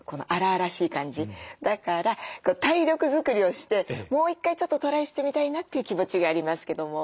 だから体力作りをしてもう一回ちょっとトライしてみたいなという気持ちがありますけども。